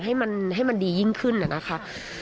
ให้มันดียิ่งขึ้นนะคะ